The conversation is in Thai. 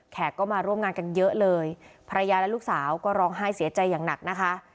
ก็มาร่วมงานกันเยอะเลยภรรยาและลูกสาวก็ร้องไห้เสียใจอย่างหนักนะคะ